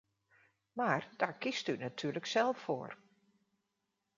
Maar daar kiest u natuurlijk zelf voor.